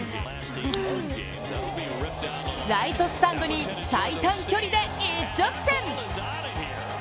ライトスタンドに最短距離で一直線！